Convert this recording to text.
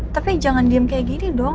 tapi jangan diem kayak gini dong